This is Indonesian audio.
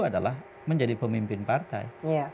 adalah menjadi pemimpin partai